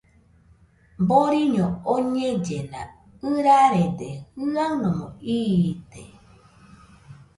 Boriño oñellena, ɨrarede jɨanomo iite..